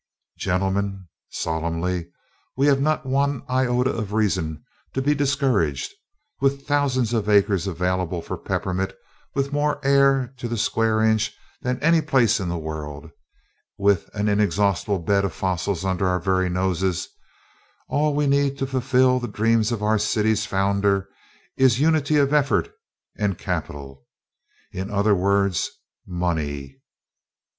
"Gentlemen," solemnly, "we have not one iota of reason to be discouraged! With thousands of acres available for peppermint; with more air to the square inch than any place else in the world, with an inexhaustible bed of fossils under our very noses, all we need to fulfill the dreams of our city's founder is unity of effort and capital. In other words MONEY!"